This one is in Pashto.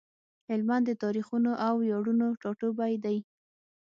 هلمند د تاريخونو او وياړونو ټاټوبی دی۔